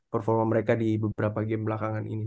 performa mereka di beberapa game belakangan ini